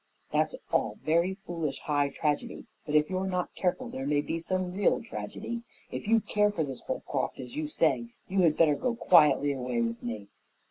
"That's all very foolish high tragedy, but if you're not careful there may be some real tragedy. If you care for this Holcroft, as you say, you had better go quietly away with me."